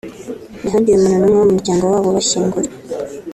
ntihagire umuntu n’umwe wo mu muryango wabo ubashyingura